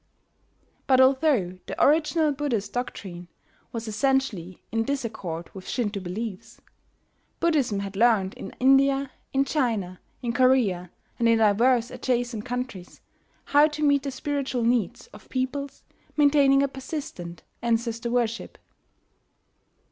But although the original Buddhist doctrine was essentially in disaccord with Shinto beliefs, Buddhism had learned in India, in China, in Korea, and in divers adjacent countries, how to meet the spiritual needs of peoples maintaining a persistent ancestor worship.